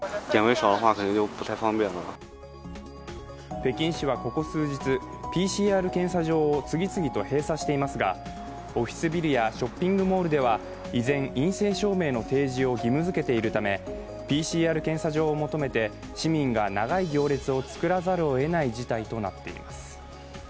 北京市はここ数日、ＰＣＲ検査場を次々と閉鎖していますがオフィスビルやショッピングモールでは依然、陰性者の提示を義務づけているためＰＣＲ検査場を求めて市民が長い行列を作らざるをえない事態となっています。